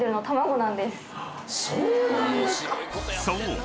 ［そう。